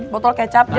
botol kecap jadi